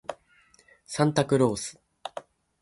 サンタクロース